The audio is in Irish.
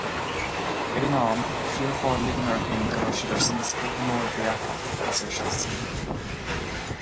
Ag an am, bhí Fianna Fáil ag ligean orthu féin go raibh siad ar son na spriocanna móra a bhí acu, a deir Seosamh.